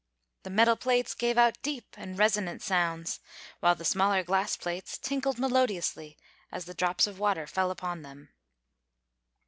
The metal plates gave out deep and resonant sounds, while the smaller glass plates tinkled melodiously as the drops of water fell upon them.